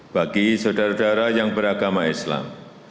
bagi saudara saudara yang beragama islam